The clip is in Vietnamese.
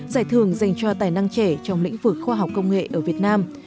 giải thưởng dành cho tài năng trẻ trong lĩnh vực khoa học công nghệ ở việt nam